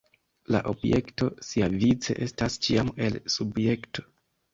La objekto siavice estas ĉiam “el” subjekto.